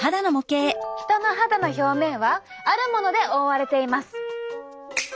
人の肌の表面はあるもので覆われています。